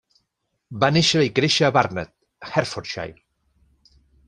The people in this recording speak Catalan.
Va néixer i créixer a Barnet, Hertfordshire.